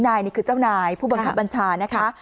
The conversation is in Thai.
นายนี่คือเจ้านายผู้บังคับบัญชานะคะ